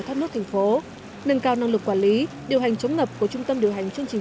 thoát nước thành phố nâng cao năng lực quản lý điều hành chống ngập của trung tâm điều hành chương trình